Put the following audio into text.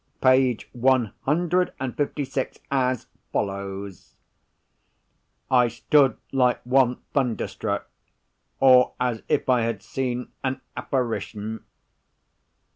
Page one hundred and fifty six as follows:—'I stood like one Thunderstruck, or as if I had seen an Apparition.